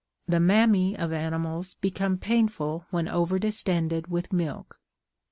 The mammæ of animals become painful when over distended with milk.